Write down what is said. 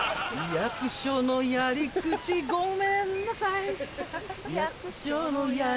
役所のやり口ごめんなさい